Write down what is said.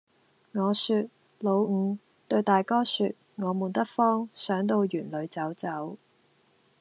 我説「老五，對大哥説，我悶得慌，想到園裏走走。」